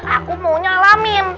aku maunya al amin